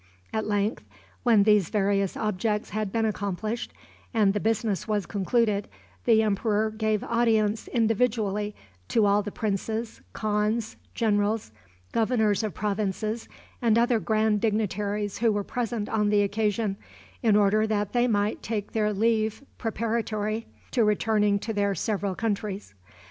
At length, when these various objects had been accomplished, and the business was concluded, the emperor gave audience individually to all the princes, khans, generals, governors of provinces, and other grand dignitaries who were present on the occasion, in order that they might take their leave preparatory to returning to their several countries.